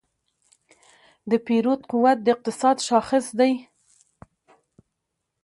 د پیرود قوت د اقتصاد شاخص دی.